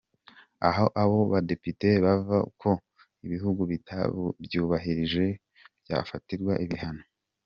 Aha abo badepite bavuga ko ibihugu bitabyubahirije byafatirwa ibihano.